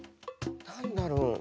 何だろう？